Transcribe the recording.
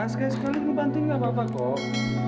sekali sekali dulu bantuin gak apa apa kok